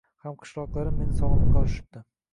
Hamqishloqlarim meni sog‘inib qolishipti